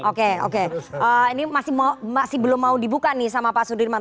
oke oke ini masih belum mau dibuka nih sama pak sudirman